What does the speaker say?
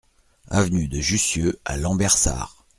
Avenue de Jussieu à Lambersart